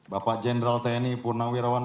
bapak jenderal tni purnam wirawan